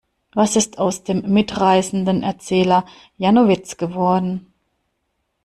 Was ist aus dem mitreißenden Erzähler Janowitz geworden?